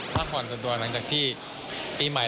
พักผ่อนส่วนตัวหลังจากที่ปีใหม่